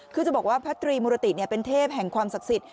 คือจะบอกว่าพระตรีมุรติเป็นเทพแห่งความศักดิ์สิทธิ